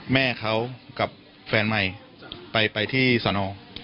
แม่เขากับแฟนใหม่ไปที่สน